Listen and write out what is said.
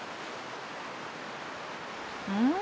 うん？